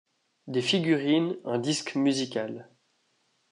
Des figurines, un disque musical.